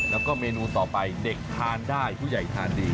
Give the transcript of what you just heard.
แล้วก็เมนูต่อไปเด็กทานได้ผู้ใหญ่ทานดี